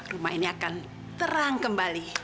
rumah ini akan terang kembali